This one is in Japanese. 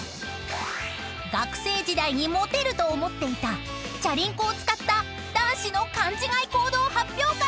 ［学生時代にモテると思っていたチャリンコを使った男子の勘違い行動発表会］